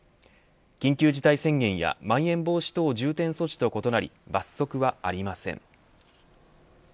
緊急事態宣言やまん延防止等重点措置と異なり罰則はありません。